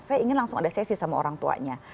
saya ingin langsung ada sesi sama orang tuanya